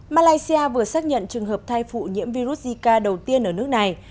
malaysia vừa xác nhận trường hợp thai phụ nhiễm virus zika đầu tiên ở nước này